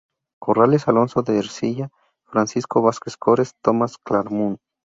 Corrales, Alonso de Ercilla, Francisco Vázquez Cores, Tomás Claramunt.